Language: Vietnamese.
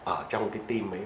ở trong cái tim ấy